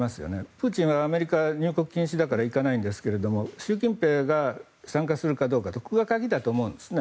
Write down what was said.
プーチンはアメリカ入国禁止だから行かないんですけど習近平が参加するかどうかが鍵だと思うんですね。